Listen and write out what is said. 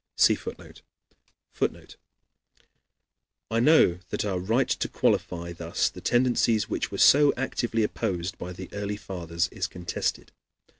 [see Footnote] [Footnote: "I know that our right to qualify thus the tendencies which were so actively opposed by the early Fathers is contested.